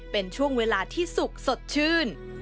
เป็นช่วงเวลาที่สุกสดชื่น